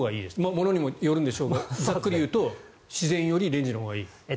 物にもよるんでしょうがざっくり言うと自然よりレンジのほうがいい？